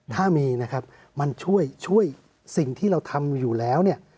ถ้ามีนะครับมันช่วยสิ่งที่เราทำอยู่แล้วเนี่ย